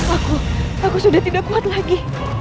aku aku sudah tidak kuat lagi